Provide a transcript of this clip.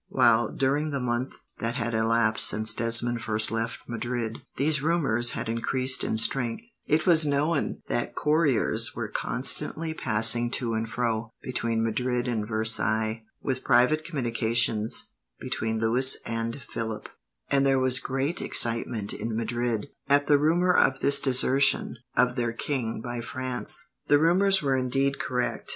While, during the month that had elapsed since Desmond first left Madrid, these rumours had increased in strength, it was known that couriers were constantly passing to and fro, between Madrid and Versailles, with private communications between Louis and Philip; and there was great excitement, in Madrid, at the rumour of this desertion of their king by France. The rumours were indeed correct.